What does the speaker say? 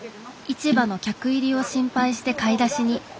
市場の客入りを心配して買い出しに。